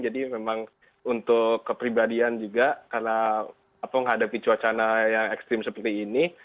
jadi memang untuk kepribadian juga karena menghadapi cuacana yang ekstrim seperti ini